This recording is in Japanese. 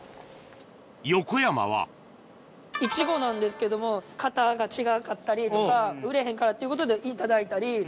横山はいちごなんですけどもかたが違かったりとか売れへんからっていうことで頂いたり。